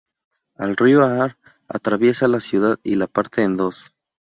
El río Aar atraviesa la ciudad y la parte en dos.